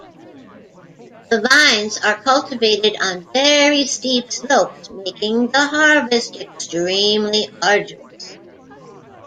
The vines are cultivated on very steep slopes making the harvest extremely arduous.